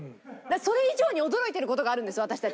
それ以上に驚いてる事があるんです私たち。